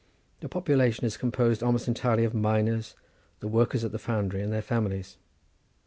The population is composed almost entirely of miners, the workers at the foundry, and their families.